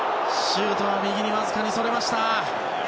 シュートは右にわずかにそれました。